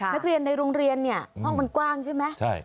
นักเรียนในโรงเรียนเนี่ยห้องมันกว้างใช่ไหม